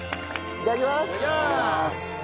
いただきます！